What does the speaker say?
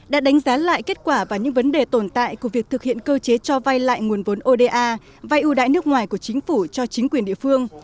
đã đánh giá lại kết quả và những vấn đề tồn tại của việc thực hiện cơ chế cho vay lại nguồn vốn oda vay ưu đãi nước ngoài của chính phủ cho chính quyền địa phương